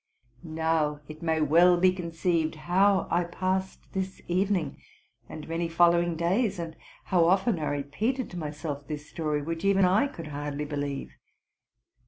Now, it may well be conceived how I passed this evening, and many following days, and how often I repeated to my self this story, which even I could hardly believe.